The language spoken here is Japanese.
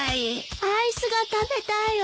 アイスが食べたいわ。